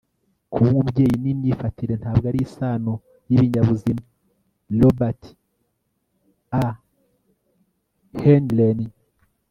kuba umubyeyi ni imyifatire, ntabwo ari isano y'ibinyabuzima - robert a heinlein